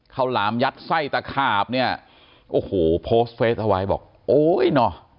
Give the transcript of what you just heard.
หลามยัดไส้ตะขาบเนี่ยโอ้โหโพสต์เฟสเอาไว้บอกโอ้ยเนอะ